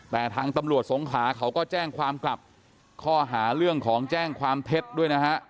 แต่ทางตำรวจสงขาเขาก็แจ้งความกลับข้อหาเรื่องของแจ้งความเท็จด้วยนะฮะ